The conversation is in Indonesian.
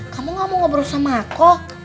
kamu gak mau ngobrol sama aku